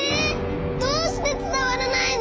どうしてつたわらないの？